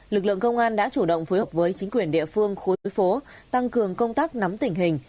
lực lượng công an đã chủ động phối hợp với chính quyền địa phương khối phố tăng cường công tác nắm tình hình